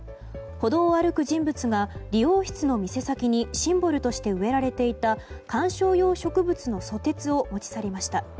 歩道を歩く人物が理容室の店先にシンボルとして植えられていた観賞用植物のソテツを持ち去りました。